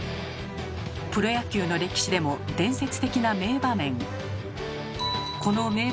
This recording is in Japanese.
プロ野球の歴史でも伝説的な名場面。